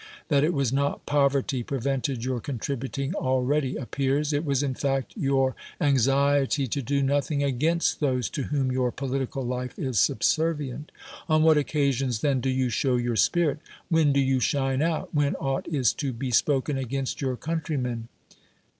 That it was not poverty prevented your contributing, already appears ; it was, in fact, youi anxiety to do nothing against those to whom your political life is subservient. On what occasions then do you show your spirit ? When do you shine out! When aught is to be spoken against your countrymen